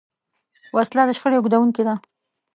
وسله د شخړې اوږدوونکې ده